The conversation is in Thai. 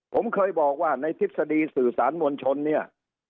ผมเคยบอกว่าในทฤษฎีสื่อสารมวลชนเนี่ย